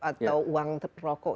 atau uang terprokok